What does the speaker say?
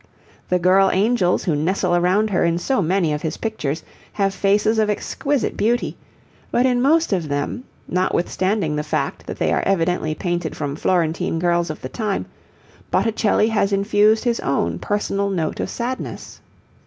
The girl angels who nestle around her in so many of his pictures, have faces of exquisite beauty, but in most of them, notwithstanding the fact that they are evidently painted from Florentine girls of the time, Botticelli has infused his own personal note of sadness.